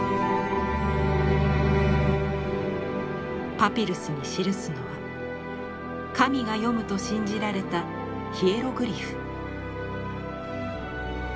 パピルスに記すのは神が読むと信じられたヒエログリフ。